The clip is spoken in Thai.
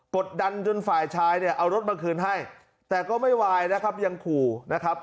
กดดันจนฝ่ายชายเนี่ยเอารถมาคืนให้แต่ก็ไม่วายนะครับยังขู่นะครับ